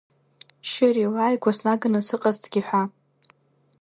Шьыри, лааигәа снаганы сыҟазҭгьы ҳәа.